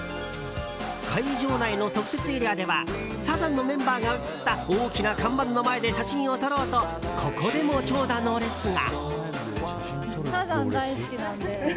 会場内の特設エリアではサザンのメンバーが写った大きな看板の前で写真を撮ろうとここでも長蛇の列が。